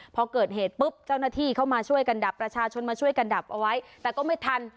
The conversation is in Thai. พอเกิดเหตุปุ๊บเจ้าหน้าที่เข้ามาช่วยกันดับประชาชนมาช่วยกันดับเอาไว้แต่ก็ไม่ทัน